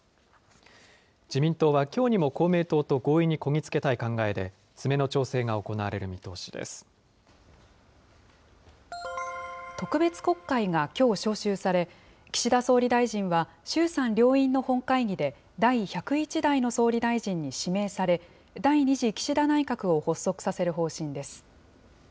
自民党はきょうにも公明党と合意にこぎ着けたい考えで、詰めの調特別国会がきょう召集され、岸田総理大臣は、衆参両院の本会議で第１０１代の総理大臣に指名され、第２次岸田内閣を発足させる方針です。